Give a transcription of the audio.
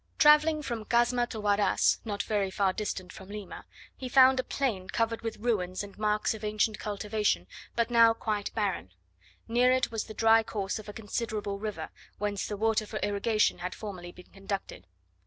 Travelling from Casma to Huaraz (not very far distant from Lima), he found a plain covered with ruins and marks of ancient cultivation but now quite barren. Near it was the dry course of a considerable river, whence the water for irrigation had formerly been conducted.